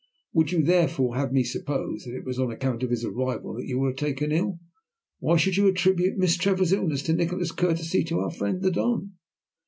Would you therefore have me suppose that it was on account of his arrival that you were taken ill? Why should you attribute Miss Trevor's illness to Nikola's courtesy to our friend the Don?"